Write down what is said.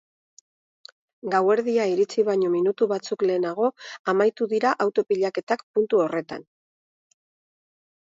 Gauerdia iritsi baino minutu batzuk lehenago amaitu dira auto pilaketak puntu horretan.